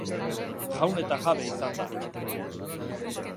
Jaun eta jabe izan da.